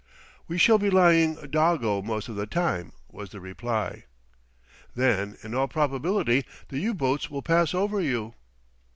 "We shall be lying doggo most of the time," was the reply. "Then in all probability the U boats will pass over you."